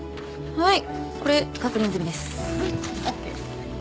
はい？